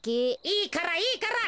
いいからいいから。